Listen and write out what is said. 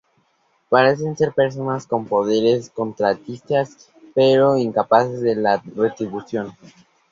Parecen ser personas con poderes de Contratista, pero incapaces de la retribución.